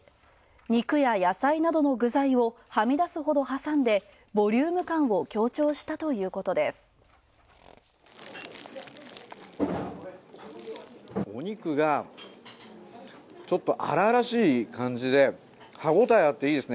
肉や野菜などの具材をはみ出すほどはさんでボリューム感を強調したということです。